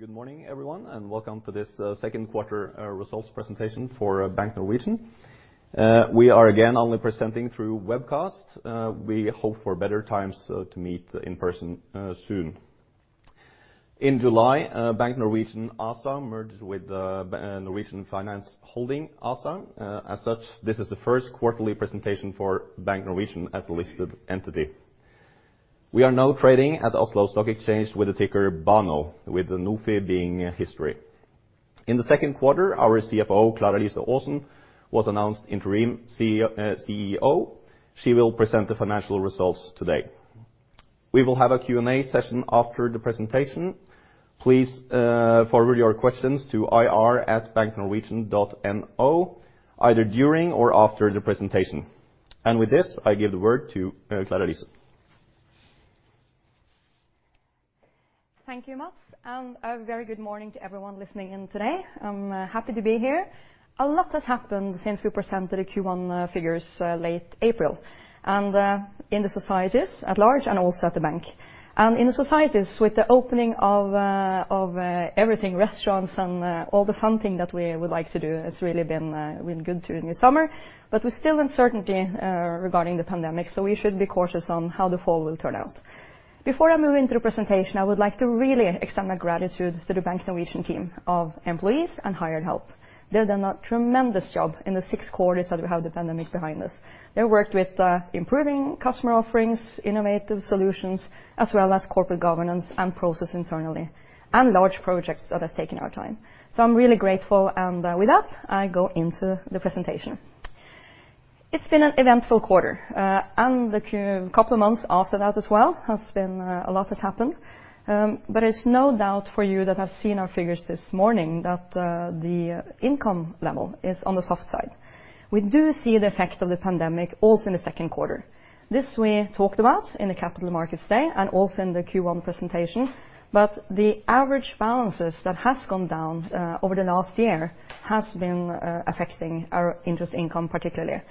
Good morning, Everyone, and Welcome to this Second Quarter Results Presentation for Bank Norwegian. We are again only presenting through webcast. We hope for better times to meet in person soon. In July, Bank Norwegian ASA merged with Norwegian Finans Holding ASA. As such, this is the first quarterly presentation for Bank Norwegian as a listed entity. We are now trading at the Oslo Stock Exchange with the ticker BANO, with the NOFI being history. In the second quarter, our CFO, Klara-Lise Aasen, was announced Interim CEO. She will present the financial results today. We will have a Q&A session after the presentation. Please forward your questions to ir@banknorwegian.no either during, or after the presentation. With this, I give the word to Klara-Lise. Thank you, Mats, and a very good morning to everyone listening in today. I'm happy to be here. A lot has happened since we presented the Q1 figures late April, and in the societies at large and also at the Bank. In the societies, with the opening of everything, restaurants and all the fun thing that we would like to do has really been good during the summer. With still uncertainty regarding the pandemic, so we should be cautious on how the fall will turn out. Before I move into the presentation, I would like to really extend my gratitude to the Bank Norwegian team of employees and hired help. They've done a tremendous job in the six quarters that we have the pandemic behind us. They worked with improving customer offerings, innovative solutions, as well as corporate governance and process internally, and large projects that has taken our time. I'm really grateful, and with that, I go into the presentation. It's been an eventful quarter, and the couple of months after that as well, a lot has happened. It's no doubt for you that have seen our figures this morning that the income level is on the soft side. We do see the effect of the pandemic also in the second quarter. This we talked about in the Capital Markets Day and also in the Q1 presentation. The average balances that has gone down over the last year has been affecting our interest income particularly.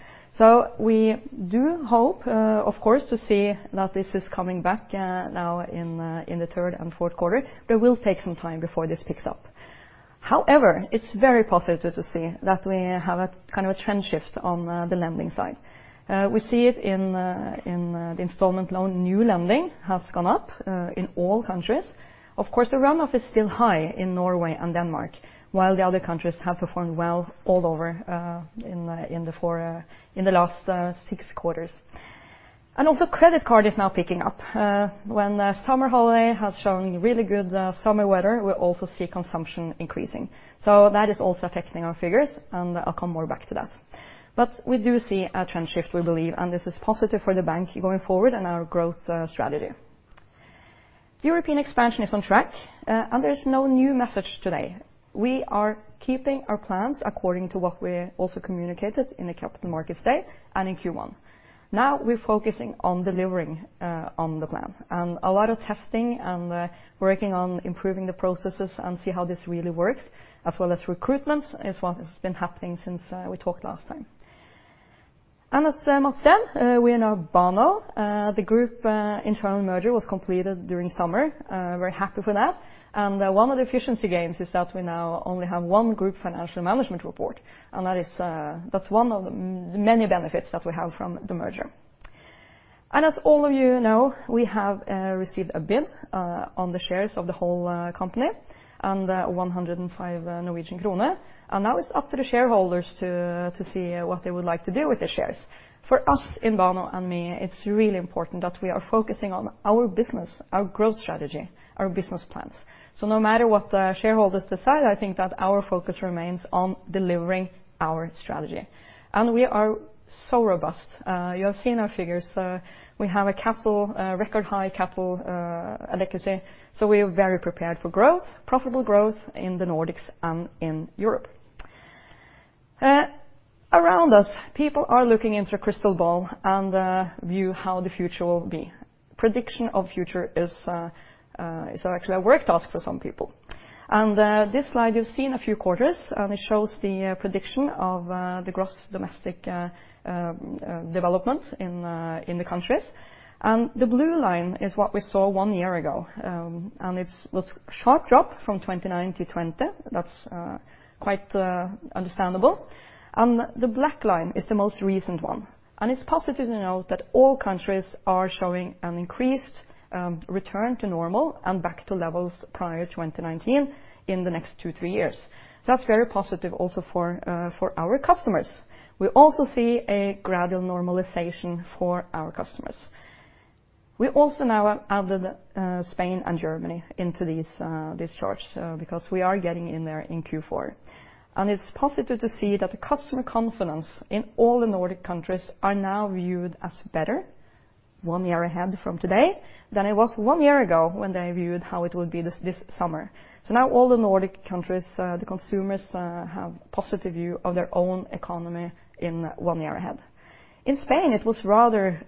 We do hope, of course, to see that this is coming back now in the third and fourth quarter, but it will take some time before this picks up. However, it's very positive to see that we have a trend shift on the lending side. We see it in the installment loan. New lending has gone up in all countries. Of course, the run-off is still high in Norway and Denmark, while the other countries have performed well all over in the last six quarters. Also credit card is now picking up. When summer holiday has shown really good summer weather, we also see consumption increasing. That is also affecting our figures, and I'll come more back to that. We do see a trend shift, we believe, and this is positive for the bank going forward and our growth strategy. European expansion is on track. There is no new message today. We are keeping our plans according to what we also communicated in the Capital Markets Day and in Q1. We're focusing on delivering on the plan. A lot of testing and working on improving the processes and see how this really works, as well as recruitment is what has been happening since we talked last time. As Mats said, we are now BANO. The group internal merger was completed during summer. Very happy for that. One of the efficiency gains is that we now only have one group financial management report, and that's one of the many benefits that we have from the merger. As all of you know, we have received a bid on the shares of the whole company and 105 Norwegian kroner, and now it's up to the shareholders to see what they would like to do with the shares. For us in BANO and me, it's really important that we are focusing on our business, our growth strategy, our business plans. No matter what the shareholders decide, I think that our focus remains on delivering our strategy. We are so robust. You have seen our figures. We have a record high capital adequacy, so we are very prepared for growth, profitable growth in the Nordics and in Europe. Around us, people are looking into a crystal ball and view how the future will be. Prediction of future is actually a work task for some people. This slide you've seen a few quarters, it shows the prediction of the gross domestic development in the countries. The blue line is what we saw one year ago, it was sharp drop from 29% to 20%. That's quite understandable. The black line is the most recent one. It's positive to note that all countries are showing an increased return to normal and back to levels prior to 2019 in the next two, three years. That's very positive also for our customers. We also see a gradual normalization for our customers. We also now added Spain and Germany into these charts because we are getting in there in Q4. It's positive to see that the customer confidence in all the Nordic countries are now viewed as better one year ahead from today than it was one year ago when they viewed how it would be this summer. Now all the Nordic countries, the consumers have positive view of their own economy in one year ahead. In Spain, it was rather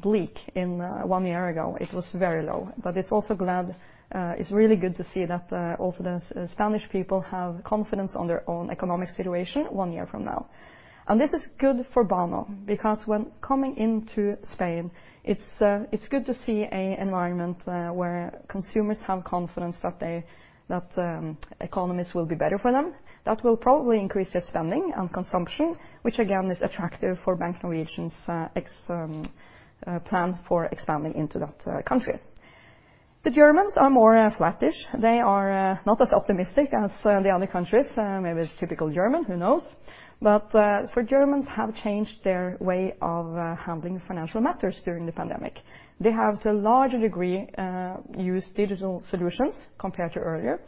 bleak in one year ago. It was very low. It's really good to see that also the Spanish people have confidence on their own economic situation one year from now. This is good for BANO because when coming into Spain, it's good to see a environment where consumers have confidence that economies will be better for them. That will probably increase their spending and consumption, which again is attractive for Bank Norwegian's plan for expanding into that country. The Germans are more flattish. They are not as optimistic as the other countries. Maybe it's typical German, who knows? Germans have changed their way of handling financial matters during the pandemic. They have, to a larger degree, used digital solutions compared to earlier.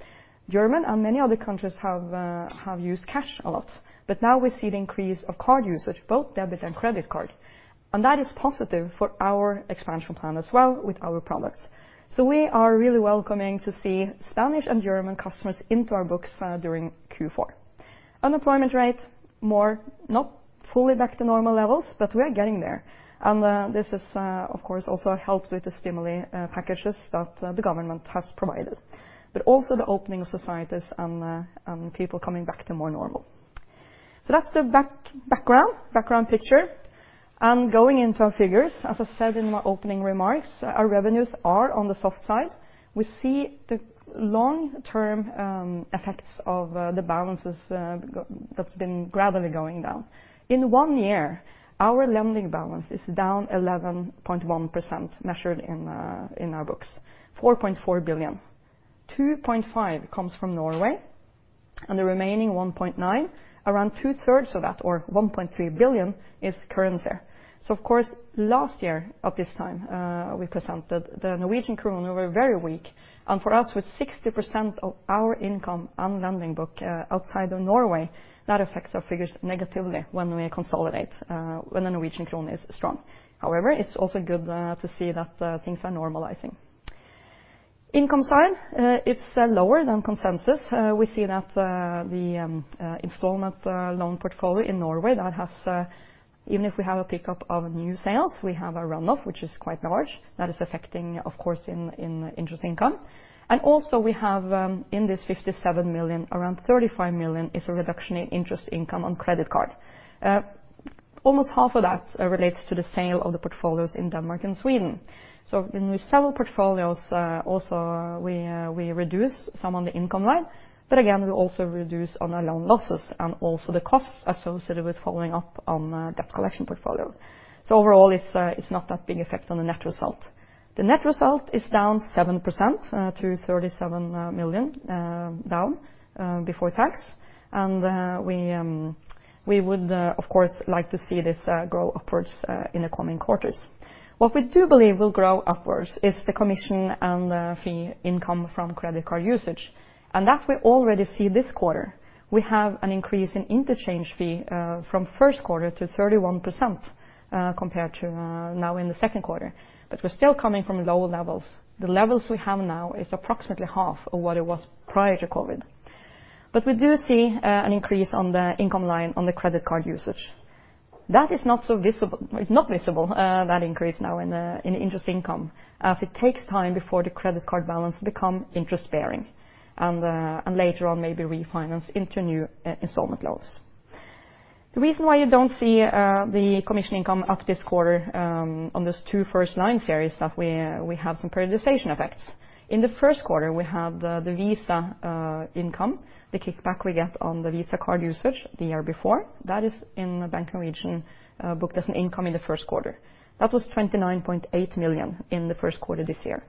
German and many other countries have used cash a lot, but now we see the increase of card usage, both debit and credit card. And, that is positive for our expansion plan as well with our products. We are really welcoming to see Spanish and German customers into our books during Q4. Unemployment rate, more not fully back to normal levels, but we are getting there. This is, of course, also helped with the stimuli packages that the government has provided, but also the opening of societies and people coming back to more normal. That's the background picture. Going into our figures, as I said in my opening remarks, our revenues are on the soft side. We see the long-term effects of the balances that's been gradually going down. In one year, our lending balance is down 11.1%, measured in our books, 4.4 billion. 2.5 billion comes from Norway, and the remaining 1.9 billion, around 2/3 of that, or 1.3 billion, is currency. Of course, last year at this time, we presented the Norwegian krone were very weak, and for us, with 60% of our income and lending book outside of Norway, that affects our figures negatively when we consolidate, when the Norwegian krone is strong. However, it's also good to see that things are normalizing. Income side, it's lower than consensus. We see that the installment loan portfolio in Norway, even if we have a pickup of new sales, we have a runoff, which is quite large. That is affecting, of course, in interest income. Also we have, in this 57 million, around 35 million is a reduction in interest income on credit card. Almost half of that relates to the sale of the portfolios in Denmark and Sweden. When we sell portfolios, also we reduce some on the income line, but again, we also reduce on our loan losses and also the costs associated with following up on debt collection portfolios. Overall, it's not that big effect on the net result. The net result is down 7% to 37 million down before tax. We would, of course, like to see this grow upwards in the coming quarters. What we do believe will grow upwards is the commission and the fee income from credit card usage, and that we already see this quarter. We have an increase in interchange fee from first quarter to 31% compared to now in the second quarter, but we're still coming from low levels. The levels we have now is approximately half of what it was prior to COVID. We do see an increase on the income line on the credit card usage. That is not visible, that increase now in interest income, as it takes time before the credit card balance become interest bearing, and later on, maybe refinance into new installment loans. The reason why you don't see the commission income up this quarter on these two first lines here is that we have some periodization effects. In the first quarter, we have the Visa income, the kickback we get on the Visa card usage the year before. That is in the Bank Norwegian book as an income in the first quarter. That was 29.8 million in the first quarter this year.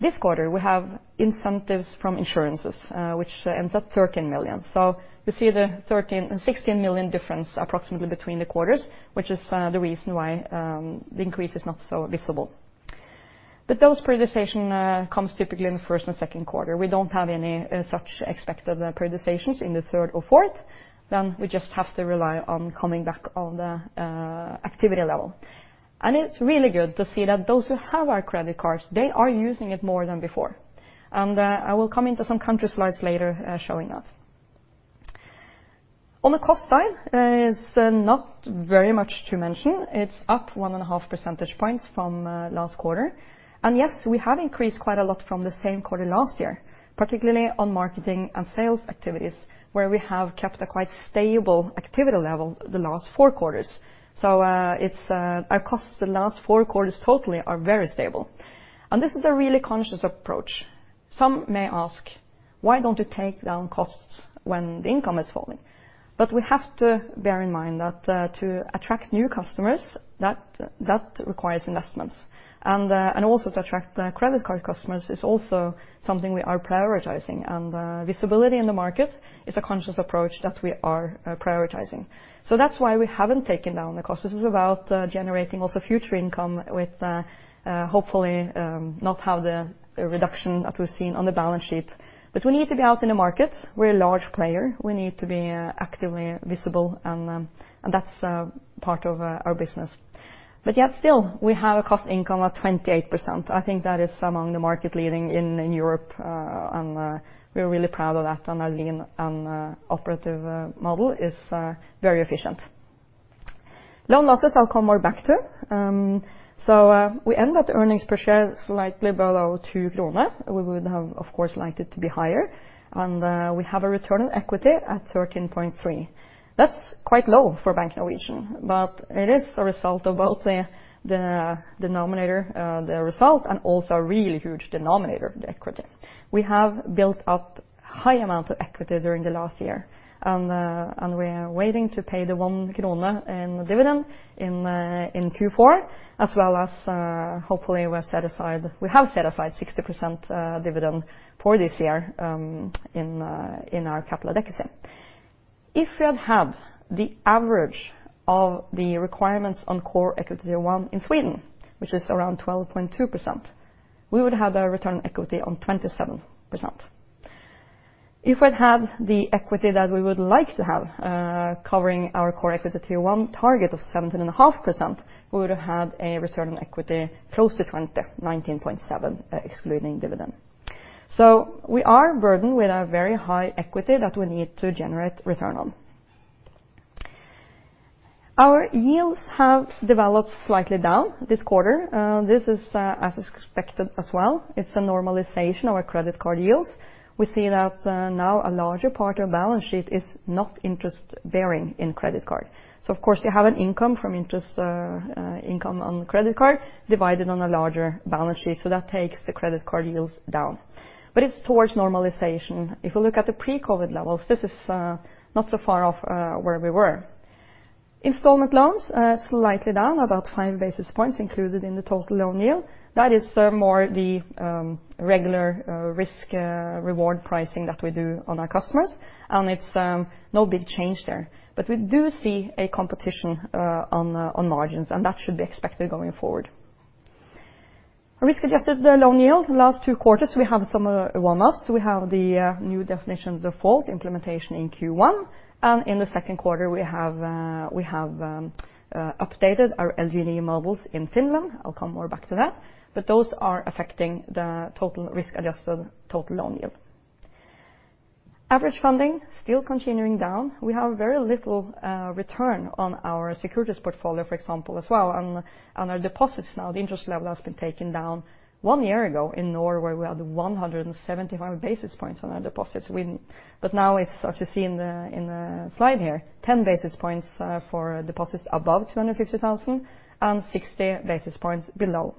This quarter, we have incentives from insurances, which ends up 13 million. You see the 16 million difference approximately between the quarters, which is the reason why the increase is not so visible. Those periodization comes typically in the first and second quarter. We don't have any such expected periodizations in the third or fourth. We just have to rely on coming back on the activity level. It's really good to see that those who have our credit cards, they are using it more than before. I will come into some country slides later showing that. On the cost side, it's not very much to mention. It's up 1.5 percentage points from last quarter. Yes, we have increased quite a lot from the same quarter last year, particularly on marketing and sales activities, where we have kept a quite stable activity level the last four quarters. Our costs the last four quarters totally are very stable. This is a really conscious approach. Some may ask, "Why don't you take down costs when the income is falling?" We have to bear in mind that to attract new customers, that requires investments. Also to attract credit card customers is also something we are prioritizing. Visibility in the market is a conscious approach that we are prioritizing. So, that's why we haven't taken down the cost. This is about generating also future income with, hopefully, not have the reduction that we've seen on the balance sheet. We need to be out in the market. We're a large player. We need to be actively visible, and that's part of our business. Yet still, we have a cost income of 28%. I think that is among the market leading in Europe, we're really proud of that, our lean and operative model is very efficient. Loan losses, I'll come more back to. We end at earnings per share slightly below 2 kroner. We would have, of course, liked it to be higher. We have a return on equity at 13.3%. That's quite low for Bank Norwegian, but it is a result of both the denominator, the result, and also a really huge denominator, the equity. We have built up high amount of equity during the last year. We are waiting to pay the 1 krone in dividend in Q4, as well as hopefully we have set aside 60% dividend for this year in our capital adequacy. If we had had the average of the requirements on Core Equity Tier 1 in Sweden, which is around 12.2%, we would have a return equity on 27%. If we'd have the equity that we would like to have, covering our Core Equity Tier 1 target of 17.5%, we would have had a return on equity close to 20%, 19.7%, excluding dividend. We are burdened with a very high equity that we need to generate return on. Our yields have developed slightly down this quarter. This is as expected as well. It's a normalization of our credit card yields. We see that now a larger part of balance sheet is not interest bearing in credit card. Of course you have an income from interest income on the credit card, divided on a larger balance sheet, so that takes the credit card yields down. It's towards normalization. If you look at the pre-COVID levels, this is not so far off where we were. Installment loans are slightly down, about 5 basis points included in the total loan yield. That is more the regular risk reward pricing that we do on our customers, and it's no big change there. We do see a competition on margins, and that should be expected going forward. Risk-adjusted loan yield, the last two quarters, we have some one-offs. We have the New Definition of Default implementation in Q1, and in the second quarter, we have updated our LGD models in Finland. I'll come more back to that. Those are affecting the total risk-adjusted total loan yield. Average funding still continuing down. We have very little return on our securities portfolio, for example, as well, and on our deposits now, the interest level has been taken down. One year ago in Norway, we had 175 basis points on our deposits. Now it's, as you see in the slide here, 10 basis points for deposits above 250,000, and 60 basis points below.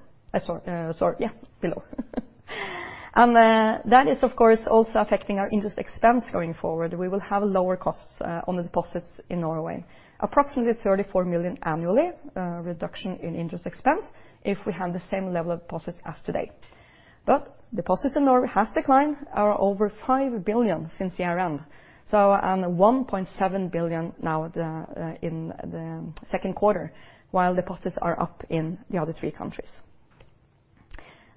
That is, of course, also affecting our interest expense going forward. We will have lower costs on the deposits in Norway. Approximately 34 million annually reduction in interest expense if we have the same level of deposits as today. Deposits in Norway has declined, over 5 billion since year-end. 1.7 billion now in the second quarter, while deposits are up in the other three countries.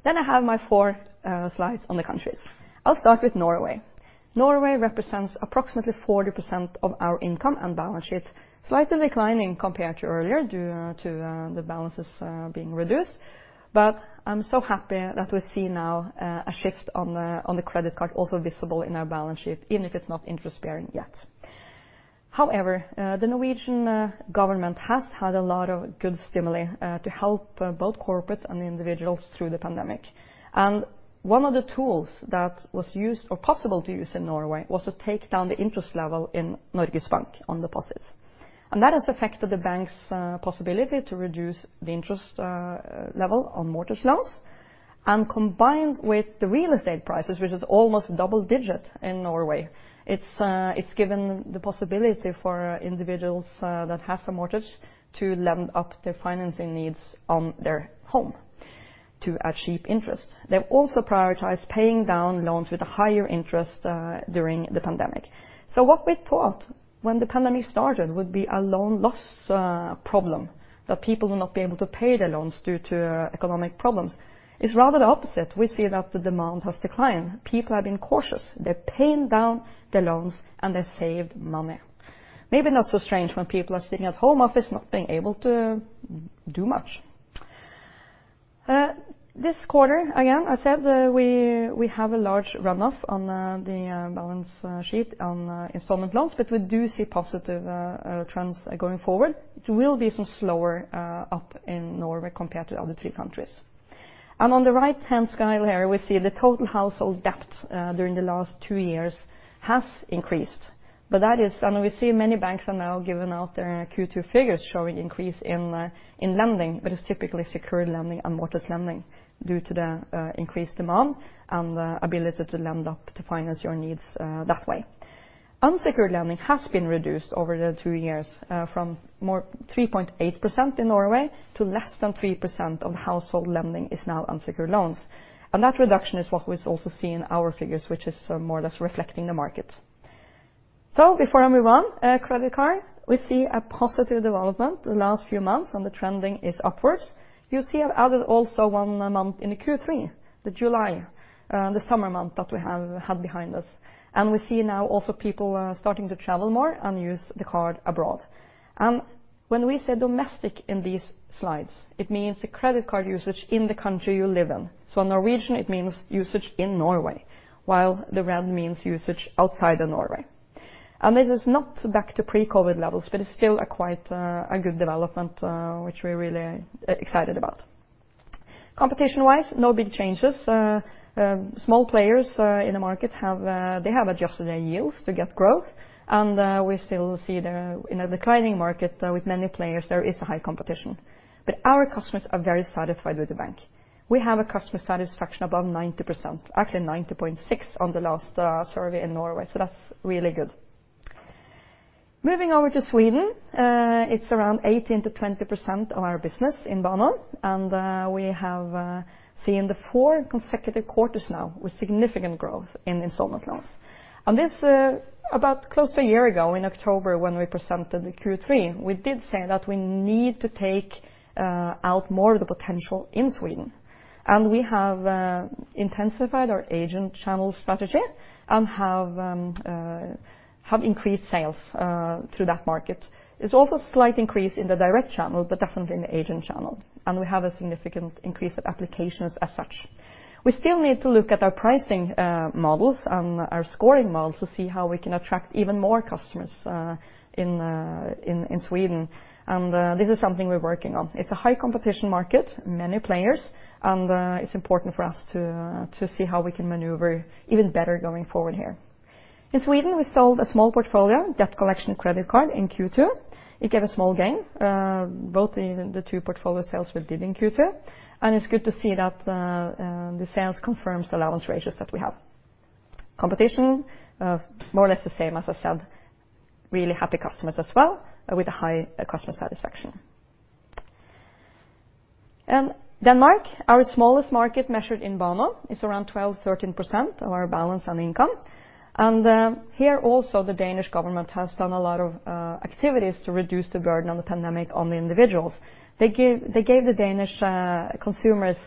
I have my four slides on the countries. I'll start with Norway. Norway represents approximately 40% of our income and balance sheet. Slightly declining compared to earlier, due to the balances being reduced, but I'm so happy that we see now a shift on the credit card also visible in our balance sheet, even if it's not interest bearing yet. However, the Norwegian government has had a lot of good stimuli to help both corporate and individuals through the pandemic. One of the tools that was used or possible to use in Norway was to take down the interest level in Norges Bank on deposits. That has affected the bank's possibility to reduce the interest level on mortgage loans. Combined with the real estate prices, which is almost double-digit in Norway, it's given the possibility for individuals that have some mortgage to lend up their financing needs on their home to achieve interest. They've also prioritized paying down loans with a higher interest during the pandemic. What we thought when the pandemic started would be a loan loss problem, that people will not be able to pay their loans due to economic problems, it's rather the opposite. We see that the demand has declined. People have been cautious. They're paying down the loans, and they saved money. Maybe not so strange when people are sitting at home office not being able to do much. This quarter, again, I said we have a large runoff on the balance sheet on installment loans, but we do see positive trends going forward. It will be some slower up in Norway compared to other three countries. On the right-hand side here, we see the total household debt during the last two years has increased. We see many banks have now given out their Q2 figures showing increase in lending, but it's typically secured lending and mortgage lending due to the increased demand and the ability to lend up to finance your needs that way. Unsecured lending has been reduced over the two years, from 3.8% in Norway to less than 3% of household lending is now unsecured loans. That reduction is what we also see in our figures, which is more or less reflecting the market. Before I move on, credit card, we see a positive development the last few months, and the trending is upwards. You see I've added also one month in the Q3, the July, the summer month that we have had behind us. We see now also people are starting to travel more and use the card abroad. And, when we say domestic in these slides, it means the credit card usage in the country you live in. In Bank Norwegian, it means usage in Norway, while the red means usage outside of Norway. It is not back to pre-COVID levels, but it's still quite a good development, which we're really excited about. Competition-wise, no big changes. Small players in the market, they have adjusted their yields to get growth, and we still see in a declining market with many players, there is a high competition. Our customers are very satisfied with Bank. We have a customer satisfaction above 90%, actually 90.6% on the last survey in Norway. That's really good. Moving over to Sweden, it's around 18%-20% of our business in BANO, and we have seen the four consecutive quarters now with significant growth in installment loans. This, about close to a year ago in October when we presented the Q3, we did say that we need to take out more of the potential in Sweden. We have intensified our agent channel strategy and have increased sales through that market. There's also slight increase in the direct channel, but definitely in the agent channel, and we have a significant increase of applications as such. We still need to look at our pricing models and our scoring models to see how we can attract even more customers in Sweden. This is something we're working on. It's a high competition market, many players, and it's important for us to see how we can maneuver even better going forward here. In Sweden, we sold a small portfolio, debt collection credit card in Q2. It gave a small gain, both in the two portfolio sales we did in Q2, it is good to see that the sales confirms the allowance ratios that we have. Competition, more or less the same as I said, really happy customers as well, with high customer satisfaction. Denmark, our smallest market measured in BANO, is around 12%-13% of our balance and income. Here also the Danish government has done a lot of activities to reduce the burden of the pandemic on the individuals. They gave the Danish consumers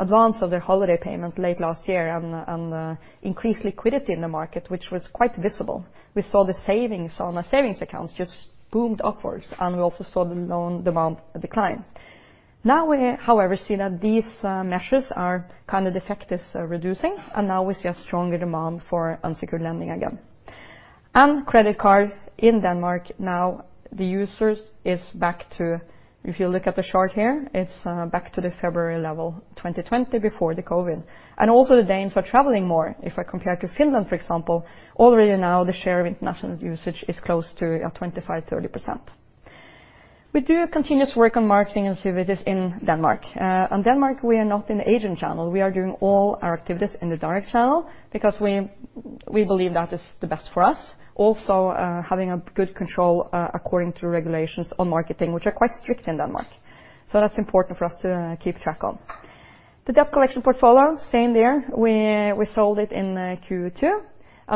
advance of their holiday payment late last year and increased liquidity in the market, which was quite visible. We saw the savings on our savings accounts just boomed upwards, we also saw the loan demand decline. Now we however see that these measures' effect is reducing. Now we see a stronger demand for unsecured lending again. And credit card in Denmark now the users is back to, if you look at the chart here, it's back to the February level, 2020 before the COVID. Also the Danes are traveling more. If I compare to Finland, for example, already now the share of international usage is close to 25%-30%. We do continuous work on marketing activities in Denmark. In Denmark, we are not in agent channel. We are doing all our activities in the direct channel because we believe that is the best for us. Also, having a good control according to regulations on marketing, which are quite strict in Denmark. That's important for us to keep track on. The debt collection portfolio, same there. We sold it in Q2.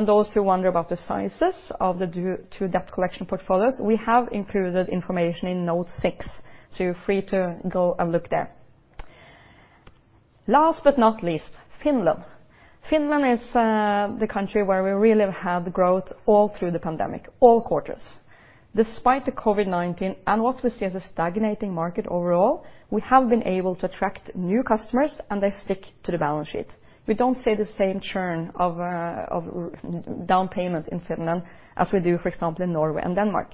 Those who wonder about the sizes of the two debt collection portfolios, we have included information in note six. You're free to go and look there. Last but not least, Finland. Finland is the country where we really have had growth all through the pandemic, all quarters. Despite the COVID-19 and what we see as a stagnating market overall, we have been able to attract new customers and they stick to the balance sheet. We don't see the same churn of down payments in Finland as we do, for example, in Norway and Denmark.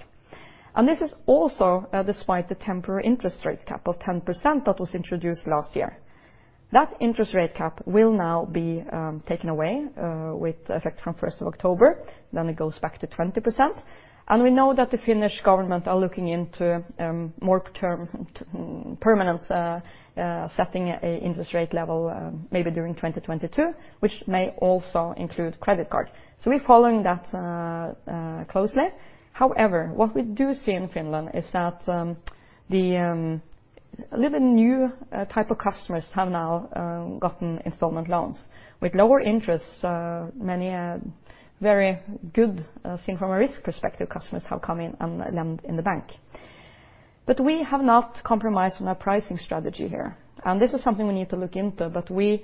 This is also despite the temporary interest rate cap of 10% that was introduced last year. That interest rate cap will now be taken away with effect from 1st of October. It goes back to 20%. We know that the Finnish government are looking into more permanent setting interest rate level maybe during 2022, which may also include credit card. We're following that closely. However, what we do see in Finland is that a little new type of customers have now gotten installment loans. With lower interest, many very good thing from a risk perspective customers have come in and lend in the bank. We have not compromised on our pricing strategy here. This is something we need to look into, but we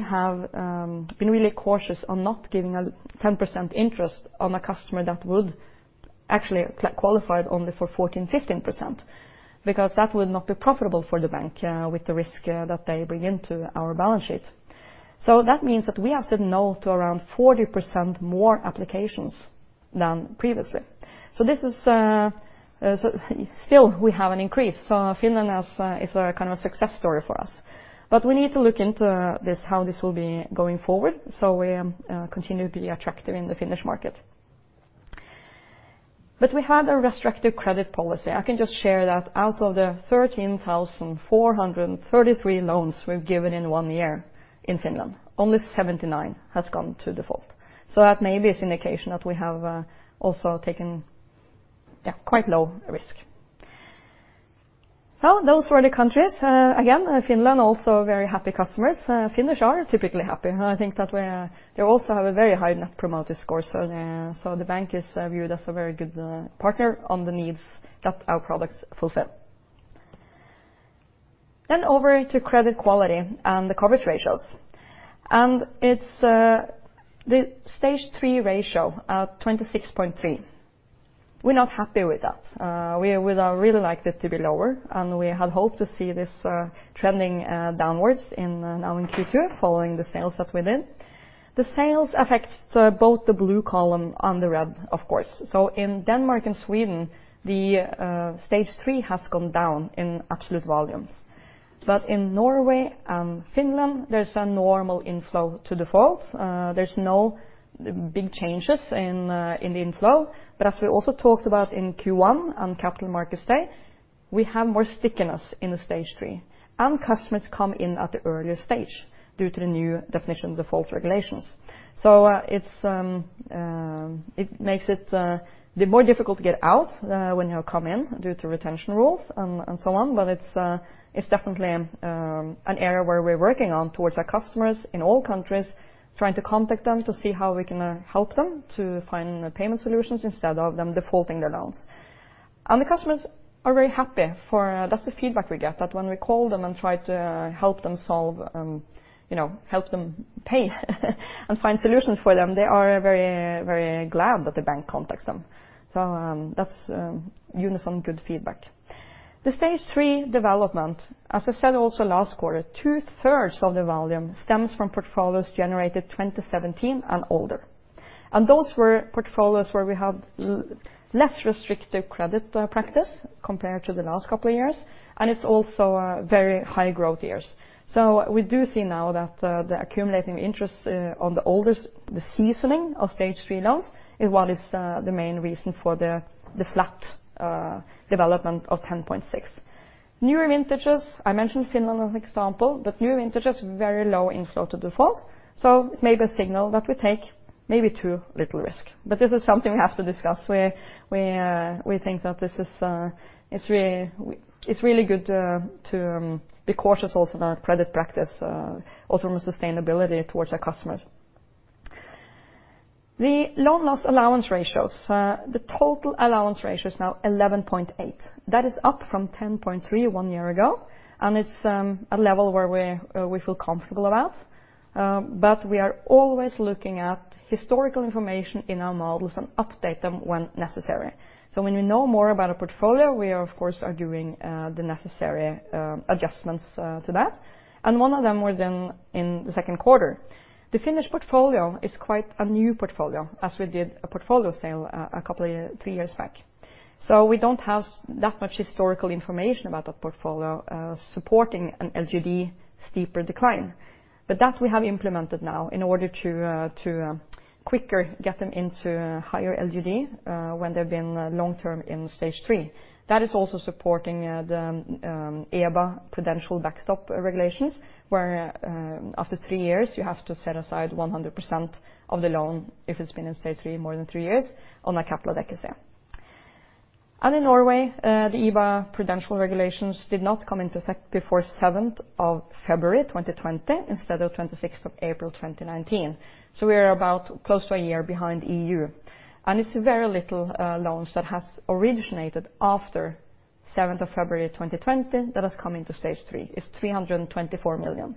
have been really cautious on not giving a 10% interest on a customer that would actually qualified only for 14%, 15%, because that would not be profitable for the bank with the risk that they bring into our balance sheet. That means that we have said no to around 40% more applications than previously. This is a, still, we have an increase. Finland is a kind of a success story for us. We need to look into this, how this will be going forward so we are continually attractive in the Finnish market. We had a restrictive credit policy. I can just share that out of the 13,433 loans we've given in one year in Finland, only 79 has gone to default. That may be an indication that we have also taken quite low risk. Those were the countries. Again, Finland also very happy customers. Finnish are typically happy, and I think that they also have a very high Net Promoter Score. The bank is viewed as a very good partner on the needs that our products fulfill. Over to credit quality and the coverage ratios. It's the stage 3 ratio at 26.3%. We're not happy with that. We would really like it to be lower. We had hoped to see this trending downwards now in Q2 following the sales that we did. The sales affects both the blue column and the red, of course. In Denmark and Sweden, the stage 3 has gone down in absolute volumes. In Norway and Finland, there's a normal inflow to default. There's no big changes in the inflow. As we also talked about in Q1 on Capital Markets Day. We have more stickiness in the stage 3, and customers come in at the earlier stage due to the New Definition of Default regulations. It makes it more difficult to get out when you come in due to retention rules and so on. It's definitely an area where we're working on towards our customers in all countries, trying to contact them to see how we can help them to find payment solutions instead of them defaulting their loans. The customers are very happy. That's the feedback we get, that when we call them and try to help them pay and find solutions for them, they are very glad that Bank contacts them. That's given us some good feedback. The stage 3 development, as I said also last quarter, 2/3 of the volume stems from portfolios generated 2017 and older. Those were portfolios where we had less restrictive credit practice compared to the last couple of years, and it's also very high growth years. We do see now that the accumulating interest on the older, the seasoning of stage 3 loans, is what is the main reason for the flat development of 10.6%. Newer vintages, I mentioned Finland as an example, but newer vintages, very low inflow to default. It may be a signal that we take maybe too little risk. This is something we have to discuss, where we think that it's really good to be cautious also about credit practice, also on the sustainability towards our customers. The loan loss allowance ratios. The total allowance ratio is now 11.8%. That is up from 10.3% one year ago, and it's a level where we feel comfortable about. We are always looking at historical information in our models and update them when necessary. When we know more about a portfolio, we of course are doing the necessary adjustments to that. One of them were then in the second quarter. The Finnish portfolio is quite a new portfolio, as we did a portfolio sale three years back. We don't have that much historical information about that portfolio, supporting an LGD steeper decline. That we have implemented now in order to quicker get them into higher LGD, when they've been long-term in stage 3. That is also supporting the EBA prudential backstop regulations, where after three years, you have to set aside 100% of the loan if it's been in stage 3 more than three years on a capital. In Norway, the EBA prudential regulations did not come into effect before 7th of February 2020, instead of 26th of April 2019. We are about close to a year behind EU. It's very little loans that have originated after 7th of February 2020 that has come into stage 3, is 324 million.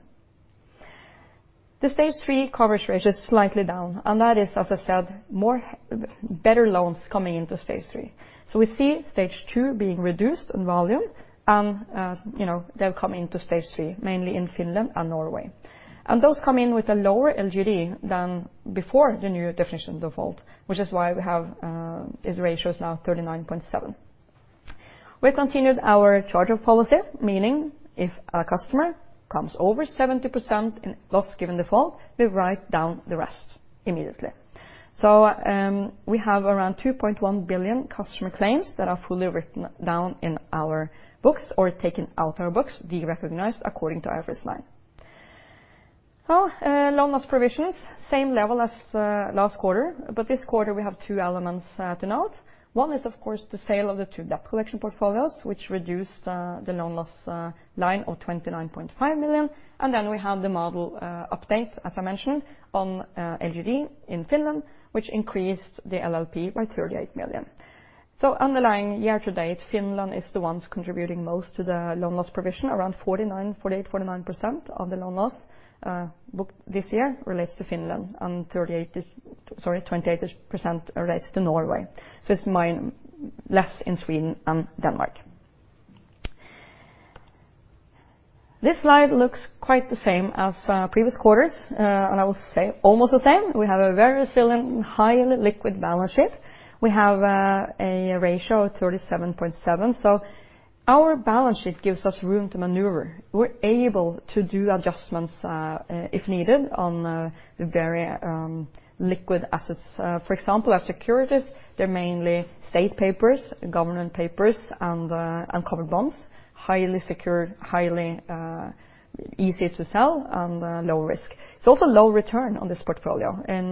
The stage 3 coverage ratio is slightly down, and that is, as I said, better loans coming into stage 3. So, we see stage 2 being reduced in volume, and they're coming into stage 3, mainly in Finland and Norway. And those come in with a lower LGD than before the New Definition of Default, which is why this ratio is now 39.7%. We've continued our charge-off policy, meaning if a customer comes over 70% in loss given default, we write down the rest immediately. We have around 2.1 billion customer claims that are fully written down in our books or taken out our books, derecognized according to IFRS 9. Loan loss provisions, same level as last quarter. This quarter, we have two elements to note. One is, of course, the sale of the two debt collection portfolios, which reduced the loan loss line of 29.5 million. We have the model update, as I mentioned on LGD in Finland, which increased the LLP by 38 million. Underlying year to date, Finland is the ones contributing most to the loan loss provision. Around 48%-49% of the loan loss booked this year relates to Finland, and 28% relates to Norway. It's less in Sweden and Denmark. This slide looks quite the same as previous quarters. I will say almost the same. We have a very resilient, highly liquid balance sheet. We have a ratio of 37.7%, so our balance sheet gives us room to maneuver. We're able to do adjustments, if needed, on the very liquid assets. For example, our securities, they're mainly state papers, government papers, and covered bonds. Highly secured, easy to sell, and low risk. It's also low return on this portfolio. In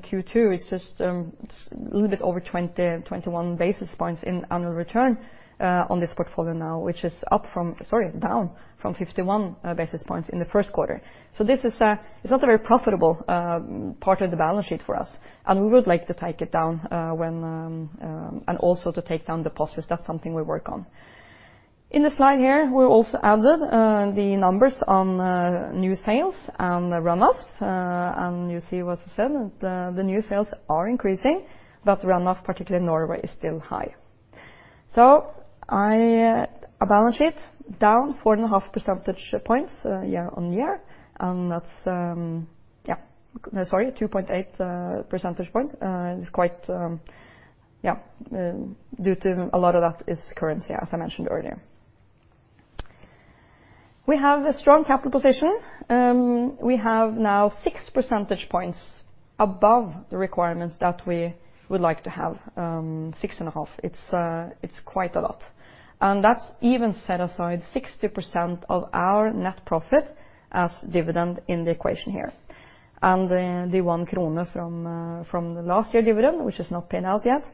Q2, it's just a little bit over 20 and 21 basis points in annual return on this portfolio now, which is down from 51 basis points in the first quarter. It's not a very profitable part of the balance sheet for us, and we would like to take it down, and also to take down deposits. That's something we work on. In the slide here, we also added the numbers on new sales and runoffs. And you see what I said, the new sales are increasing, but runoff, particularly in Norway, is still high. So, our balance sheet, down 4.5 percentage points year-on-year. That's, yeah. Sorry, 2.8 percentage points. Due to a lot of that is currency, as I mentioned earlier. We have a strong capital position. We have now 6 percentage points above the requirements that we would like to have, 6.5. It's quite a lot. That's even set aside 60% of our net profit as dividend in the equation here. The 1 krone from the last year dividend, which is not paid out yet.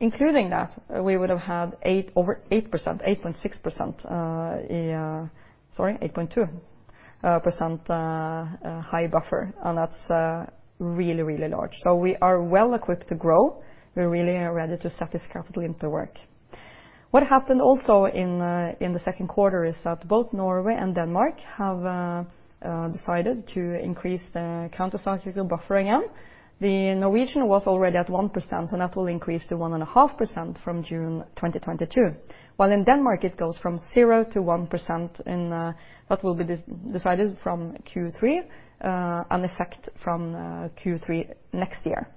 Including that, we would have had over 8.6%, sorry, 8.2% high buffer. That's really large. We are well equipped to grow. We really are ready to set this capital into work. What happened also in the second quarter is that both Norway and Denmark have decided to increase the countercyclical buffer again. The Norwegian was already at 1%, and that will increase to 1.5% from June 2022. While in Denmark, it goes from 0% to 1%, and that will be decided from Q3, and effect from Q3 next year.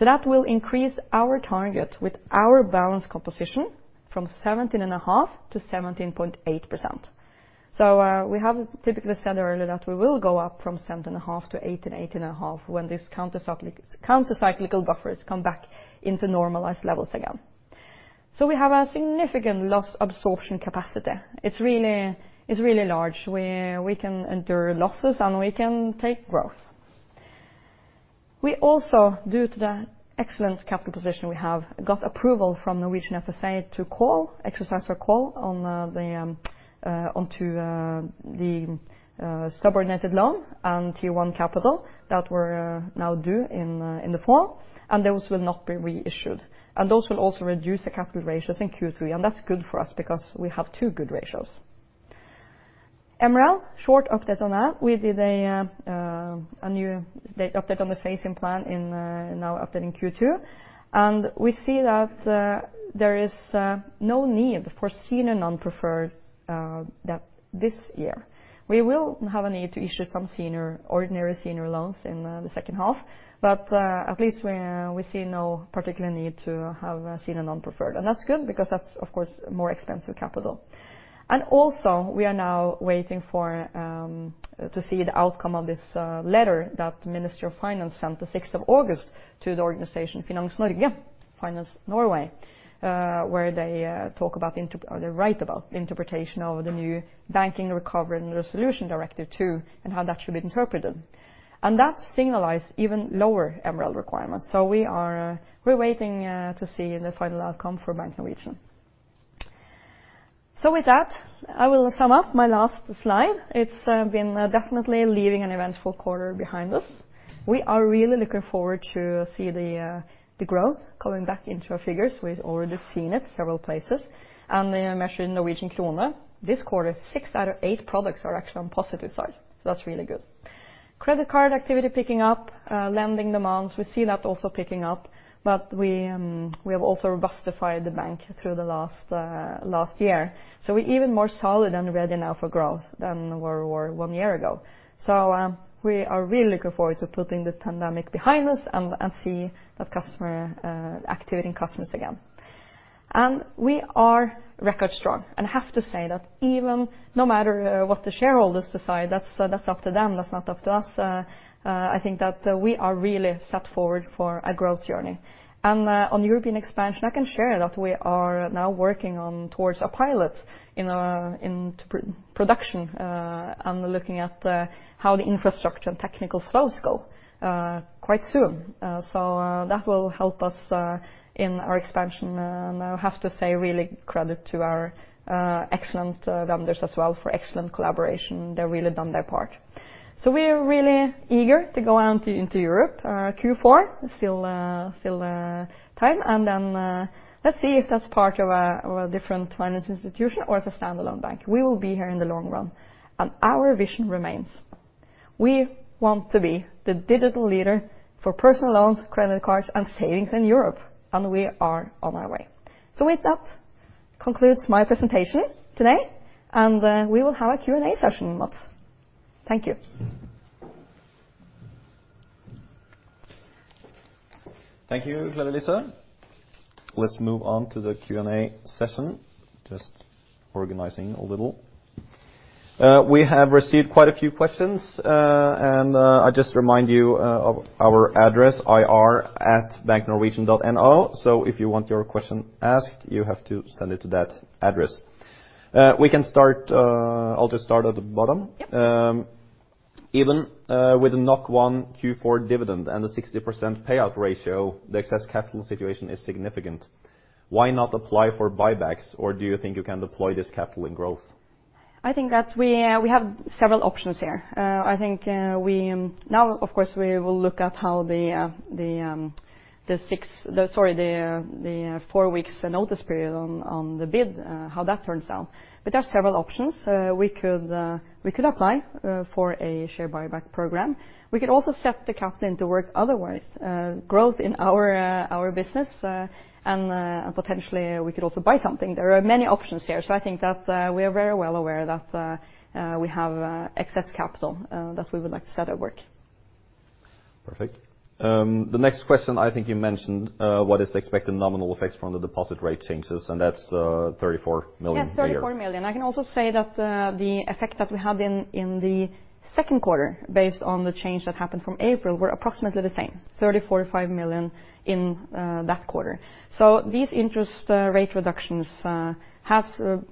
That will increase our target with our balance composition from 17.5%-17.8%. We have typically said earlier that we will go up from 17.5% to 18%, 18.5% when these countercyclical buffers come back into normalized levels again. We have a significant loss absorption capacity. It's really large, we can endure losses and we can take growth. We also, due to the excellent capital position we have, got approval from Norwegian FSA to exercise our call onto the subordinated loan and Tier 1 capital that were now due in the fall, and those will not be reissued. Those will also reduce the capital ratios in Q3, and that's good for us because we have two good ratios. MREL, short update on that. We did a new update on the phasing plan in our update in Q2. We see that there is no need for senior non-preferred debt this year. We will have a need to issue some ordinary senior loans in the second half, at least we see no particular need to have senior non-preferred. That's good because that's, of course, more expensive capital. We are now waiting to see the outcome of this letter that the Ministry of Finance sent the 6th of August to the organization Finans Norge, Finance Norway, where they write about interpretation of the new Bank Recovery and Resolution Directive II, and how that should be interpreted. That signalizes even lower MREL requirements. We're waiting to see the final outcome for Bank Norwegian. With that, I will sum up my last slide. It's been definitely leaving an eventful quarter behind us. We are really looking forward to see the growth coming back into our figures. We've already seen it several places. Measured in Norwegian krone, this quarter, six out of eight products are actually on positive side. That's really good. Credit card activity picking up. Lending demands, we see that also picking up. We have also robustified the bank through the last year. We're even more solid and ready now for growth than we were one year ago. We are really looking forward to putting the pandemic behind us and see that activity in customers again. We are record strong. I have to say that even no matter what the shareholders decide, that's up to them, that's not up to us. I think that we are really set forward for a growth journey. On European expansion, I can share that we are now working on towards a pilot into production, and looking at how the infrastructure and technical flows go, quite soon. That will help us in our expansion. I have to say, really credit to our excellent vendors as well for excellent collaboration. They've really done their part. We are really eager to go out into Europe, Q4, still time, and then let's see if that's part of a different finance institution or as a standalone bank. We will be here in the long run. Our vision remains. We want to be the digital leader for personal loans, credit cards, and savings in Europe, and we are on our way. With that, concludes my presentation today, and we will have a Q&A session. Thank you. Thank you, Lise. Let's move on to the Q&A session. Just organizing a little. We have received quite a few questions. I just remind you of our address, ir@banknorwegian.no. If you want your question asked, you have to send it to that address. We can start. I'll just start at the bottom. Yeah. Even with 1 Q4 dividend and a 60% payout ratio, the excess capital situation is significant. Why not apply for buybacks, or do you think you can deploy this capital in growth? I think that we have several options here. I think now, of course, we will look at how the four weeks notice period on the bid, how that turns out. There's several options. We could apply for a share buyback program. We could also set the capital into work otherwise, growth in our business, and potentially we could also buy something. There are many options here. I think that we are very well aware that we have excess capital that we would like to set at work. Perfect. The next question, I think you mentioned, what is the expected nominal effects from the deposit rate changes? That's 34 million a year. Yes, 34 million. I can also say that the effect that we had in the second quarter, based on the change that happened from April, were approximately the same, 34 million or 35 million in that quarter. These interest rate reductions,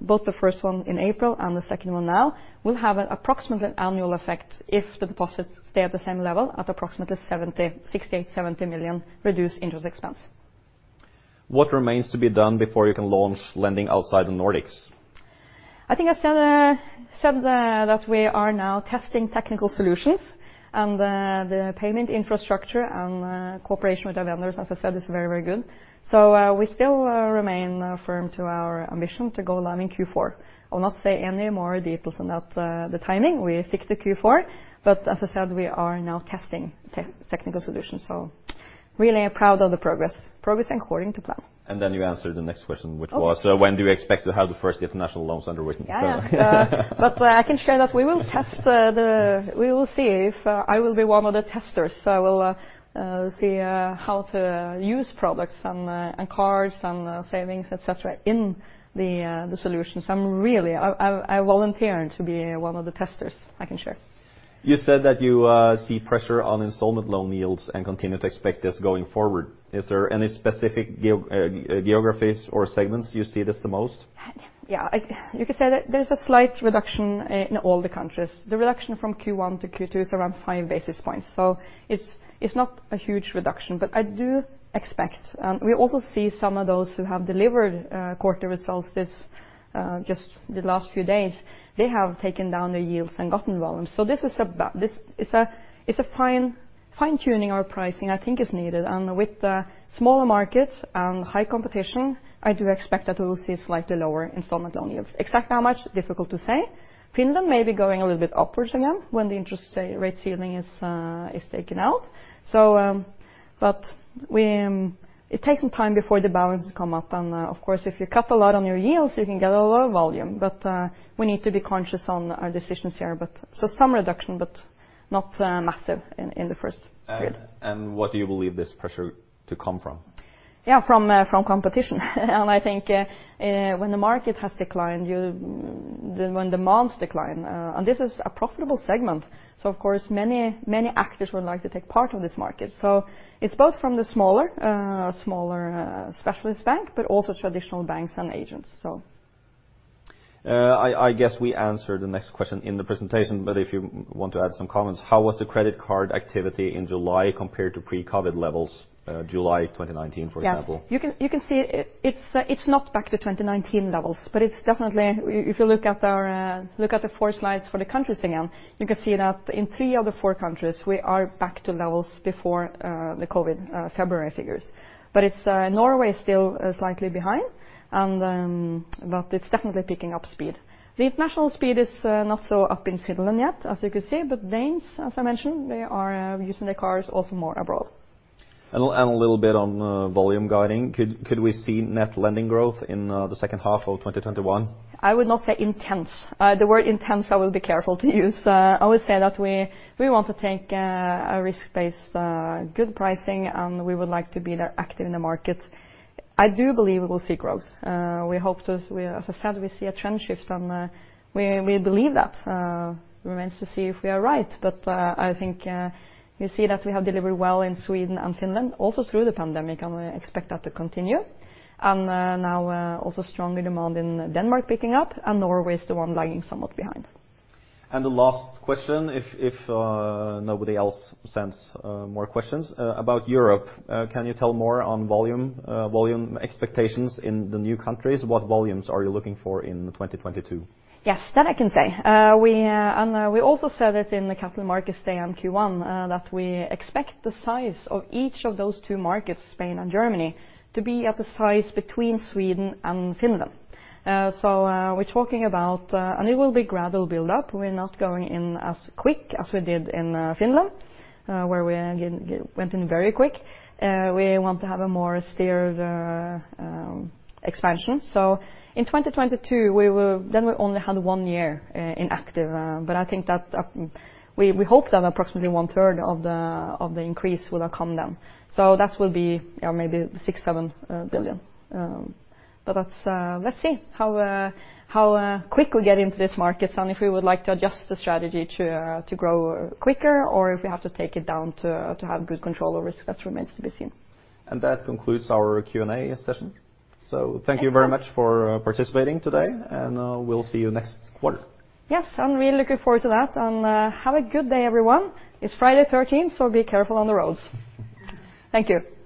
both the first one in April and the second one now, will have an approximately annual effect if the deposits stay at the same level at approximately 68 million-70 million reduced interest expense. What remains to be done before you can launch lending outside the Nordics? I think I said that we are now testing technical solutions and the payment infrastructure and cooperation with our vendors, as I said, is very, very good. We still remain firm to our ambition to go live in Q4. I will not say any more details on that, the timing. We stick to Q4, but as I said, we are now testing technical solutions, so really proud of the progress. Progress according to plan. You answered the next question, which was. Okay. When do you expect to have the first international loans underwritten? Yeah, yeah. I can share that we will test. We will see if I will be one of the testers. I will see how to use products and cards and savings, et cetera, in the solutions. I'm volunteering to be one of the testers, I can share. You said that you see pressure on installment loan yields and continue to expect this going forward. Is there any specific geographies or segments you see this the most? Yeah. You could say that there's a slight reduction in all the countries. The reduction from Q1 to Q2 is around 5 basis points. It's not a huge reduction, but I do expect, and we also see some of those who have delivered quarterly results this just the last few days. They have taken down their yields and gotten volume. This is a fine-tuning our pricing, I think is needed. With the smaller markets and high competition, I do expect that we will see slightly lower installment loan yields. Exactly how much, difficult to say. Finland may be going a little bit upwards again when the interest rate ceiling is taken out. It takes some time before the balance will come up. Of course, if you cut a lot on your yields, you can get a lot of volume. We need to be conscious on our decisions here. Some reduction, but not massive in the first period. What do you believe this pressure to come from? Yeah, from competition. I think when the market has declined, when demands decline, and this is a profitable segment, of course, many actors would like to take part in this market. It's both from the smaller specialist bank, but also traditional banks and agents. I guess we answered the next question in the presentation. If you want to add some comments, how was the credit card activity in July compared to pre-COVID levels, July 2019, for example? Yes. You can see it's not back to 2019 levels. It's definitely, if you look at the four slides for the countries again, you can see that in three of the four countries, we are back to levels before the COVID February figures. Norway is still slightly behind, but it's definitely picking up speed. The international speed is not so up in Finland yet, as you could see. Danes, as I mentioned, they are using their cars also more abroad. A little bit on volume guiding. Could we see net lending growth in the second half of 2021? I would not say intense. The word intense I will be careful to use. I would say that we want to take a risk-based good pricing, and we would like to be there active in the market. I do believe we will see growth. As I said, we see a trend shift, and we believe that. Remains to see if we are right. I think you see that we have delivered well in Sweden and Finland also through the pandemic, and we expect that to continue. Now also stronger demand in Denmark picking up, and Norway is the one lagging somewhat behind. The last question, if nobody else sends more questions. About Europe, can you tell more on volume expectations in the new countries? What volumes are you looking for in 2022? Yes, that I can say. We also said it in the Capital Markets Day and Q1, that we expect the size of each of those two markets, Spain and Germany, to be at the size between Sweden and Finland. We're talking about, and it will be gradual build up. We're not going in as quick as we did in Finland, where we went in very quick. We want to have a more steered expansion. In 2022, then we only had one year inactive, but we hope that approximately 1/3 of the increase will come then. That will be maybe 6 billion-7 billion. Let's see how quick we get into these markets and if we would like to adjust the strategy to grow quicker or if we have to take it down to have good control over risk. That remains to be seen. That concludes our Q&A session. Thank you very much for participating today, and we'll see you next quarter. Yes, I'm really looking forward to that. Have a good day, everyone. It's Friday 13th, be careful on the roads. Thank you.